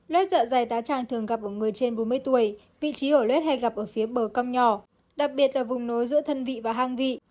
lết dạ dày tá tràng thường gặp ở người trên bốn mươi tuổi vị trí ở lết hay gặp ở phía bờ cong nhỏ đặc biệt là vùng nối giữa thân vị và hang vị